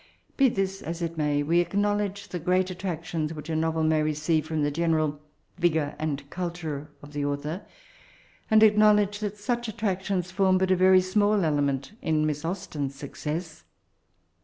Be this as it may, we acknowledge the great attractions which a novel may receive from the general vigour and culture of the author ; and ac knowledge that such attractions form but a very small element in Miss AuBten*s success.